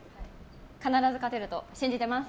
必ず勝てると信じてます。